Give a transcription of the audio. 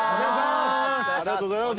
ありがとうございます。